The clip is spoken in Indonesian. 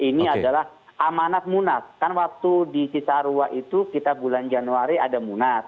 ini adalah amanat munas kan waktu di cisarua itu kita bulan januari ada munas